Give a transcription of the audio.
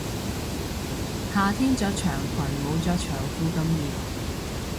夏天着長裙冇着長褲咁熱